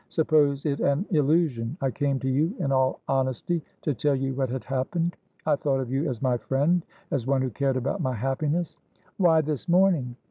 Suppose it an illusion. I came to you, in all honesty, to tell you what had happened. I thought of you as my friend, as one who cared about my happiness." "Why this morning?"